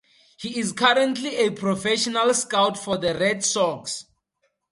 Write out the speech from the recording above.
He is currently a professional scout for the Red Sox.